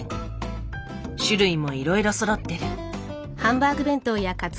種類もいろいろそろってる。